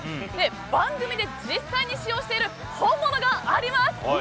番組で実際に使用している本物があります。